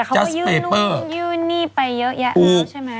แต่เขาก็ยื่นหนี้ไปเยอะแยะแล้วใช่ไหม